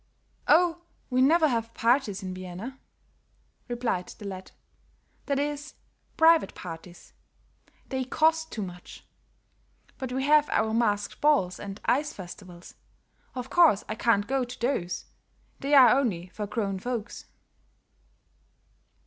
"Oh, we never have parties in Vienna," replied the lad. "That is, private parties; they cost too much. But we have our masked balls and ice festivals. Of course I can't go to those; they are only for grown folks."